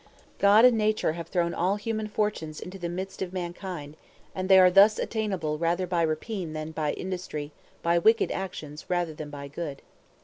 God and nature have thrown all human fortunes into the midst of mankind; and they are thus attainable rather by rapine than by industry, by wicked actions rather than by good.